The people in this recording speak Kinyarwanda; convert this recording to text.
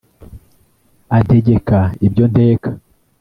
antegeka ibyo nteka